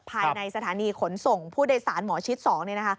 ภายในสถานีขนส่งผู้โดยสารหมอชิด๒เนี่ยนะคะ